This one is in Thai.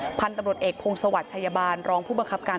พันธุรกิจตำรวจเอกพงศวรรษชรรองค์ผู้มังคับการ